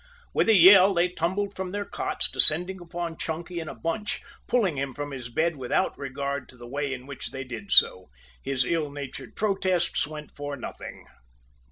With a yell, they tumbled from their cots, descending upon Chunky in a bunch, pulling him from his bed without regard to the way in which they did so. His ill natured protests went for nothing.